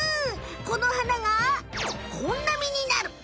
この花がこんな実になる！